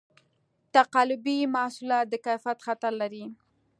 تقلبي محصولات د کیفیت خطر لري.